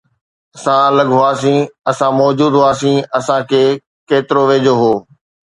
اسان الڳ هئاسين، اسان موجود هئاسين، اسان کي ڪيترو ويجهو هو